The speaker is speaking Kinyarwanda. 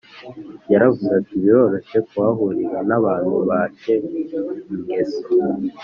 yaravuze ati biroroshye kuhahurira n abantu ba te ingeso